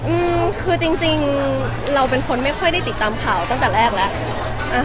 อื้อคือจริงเราเป็นคนไม่ค่อยได้ติดตามข่าวตั้งแต่แรกแหละ